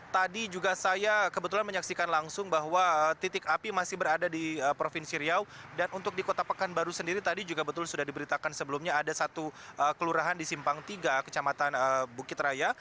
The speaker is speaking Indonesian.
tadi juga saya kebetulan menyaksikan langsung bahwa titik api masih berada di provinsi riau dan untuk di kota pekanbaru sendiri tadi juga betul sudah diberitakan sebelumnya ada satu kelurahan di simpang tiga kecamatan bukit raya